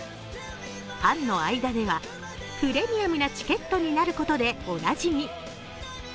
ファンの間ではプレミアムなチケットになることでおなじみ。